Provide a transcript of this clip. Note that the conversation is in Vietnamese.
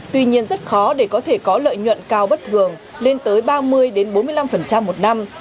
tuy nhiên rất khó để có thể có lợi nhuận cao bất thường lên tới ba mươi bốn mươi năm một năm